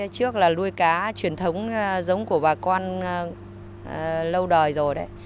trước là nuôi cá truyền thống giống của bà con lâu đời rồi đấy